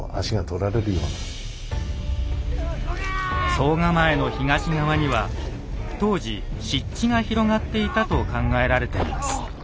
総構の東側には当時湿地が広がっていたと考えられています。